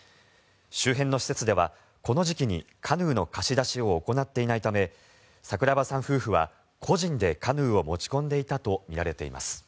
周辺の施設ではこの時期にカヌーの貸し出しを行っていないため櫻庭さん夫婦は個人でカヌーを持ち込んでいたとみられています。